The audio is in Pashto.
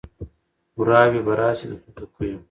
وراوي به راسي د توتکیو